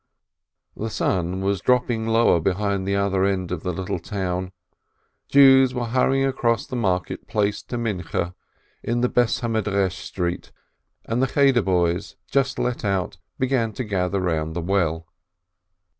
The sun was dropping lower behind the other end of the little town, Jews were hurrying across the market place to Evening Prayer in the house of study street, and the Cheder boys, just let out, began to gather round the well.